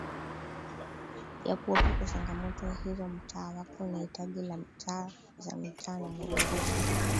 ya kuwepo kwa changamoto hizo mtaa wake unahitaji la taa za mitaa na maboresho